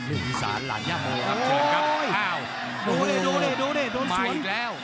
โอ๊ยโดด้วด้วด้วมาอีกแล้ว